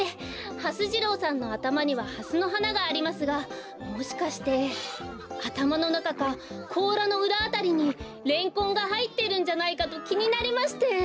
はす次郎さんのあたまにはハスのはながありますがもしかしてあたまのなかかこうらのうらあたりにレンコンがはいってるんじゃないかときになりまして。